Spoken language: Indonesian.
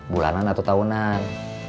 bulanan atau tahunan